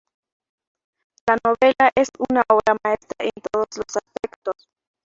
La novela es una obra maestra en todos los aspectos.